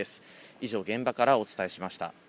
以上、現場からお伝えしました。